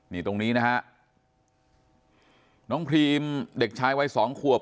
นี่ตรงนี้นะฮะน้องพรีมเด็กชายวัยสองขวบ